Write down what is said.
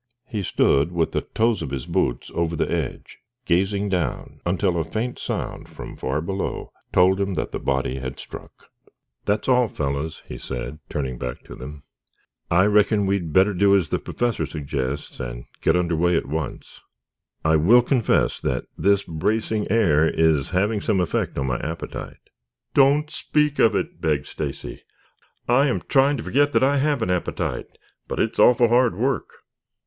He stood with the toes of his boots over the edge, gazing down until a faint sound from far below told him that the body had struck. "That's all, fellows," he said, turning back to them. "I reckon we had better do as the Professor suggests, and get under way at once. I will confess that this bracing air is having some effect on my appetite." "Don't speak of it," begged Stacy. "I am trying to forget that I have an appetite, but it's awful hard work."